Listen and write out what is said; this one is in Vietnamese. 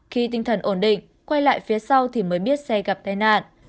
khi tinh thần ổn định quay lại phía sau thì mới biết xe gặp tai nạn